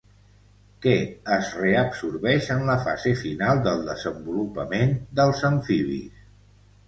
Què es reabsorbeix en la fase final del desenvolupament dels amfibis?